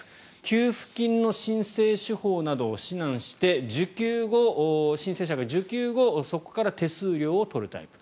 給付金の申請手法などを指南して申請者が受給後そこから手数料を取るタイプ。